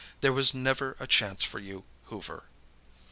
There was never a chance for you, Hoover.